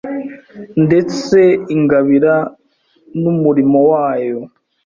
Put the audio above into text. ndetse ingabira n’umurimo wayo